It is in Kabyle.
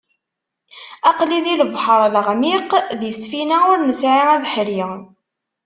Aql-i di lebḥer leɣmiq, di ssfina ur nesɛi abeḥri.